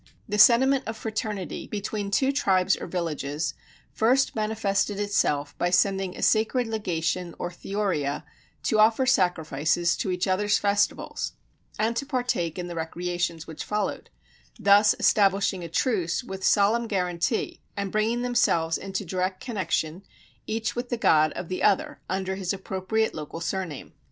The sentiment of fraternity, between two tribes or villages, first manifested itself by sending a sacred legation or Theoria to offer sacrifices to each other's festivals and to partake in the recreations which followed; thus establishing a truce with solemn guarantee, and bringing themselves into direct connexion each with the god of the other under his appropriate local surname.